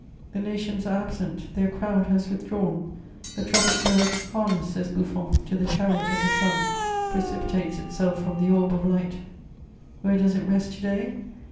The nations are absent, their crowd has withdrawn; the tropic bird "harnessed," says Buffon, "to the chariot of the sun," precipitates itself from the orb of light; where does it rest to day?